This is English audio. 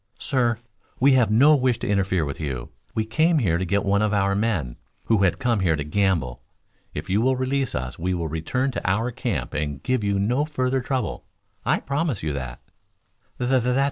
"Sir, we had no wish to interfere with you. We came here to get one of our men who had come here to gamble. If you will release us we will return to our camp and give you no further trouble. I promise you that."